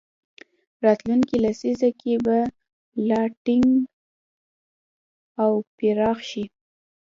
راتلونکې لسیزه کې به لا چټک او پراخ شي.